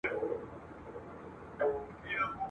تخت سفر به انارګل او نارنج ګل ته یوسو ..